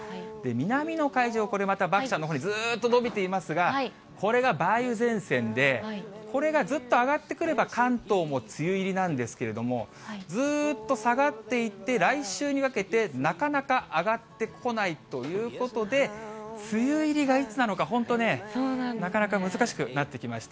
南の海上、これまた漠ちゃんのほうへ、ずーっと延びていますが、これが梅雨前線で、これがずっと上がってくれば、関東も梅雨入りなんですけれども、ずっと下がっていって、来週にかけて、なかなか上がってこないということで、梅雨入りがいつなのか、本当ね、なかなか難しくなってきました。